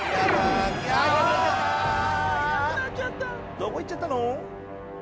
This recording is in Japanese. どこ行っちゃったの？